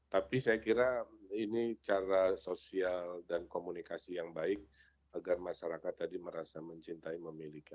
tapi saya kira ini cara sosial dan komunikasi yang baik agar masyarakat tadi merasa mencintai memiliki